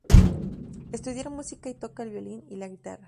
Estudiar música y toca el violín y la guitarra.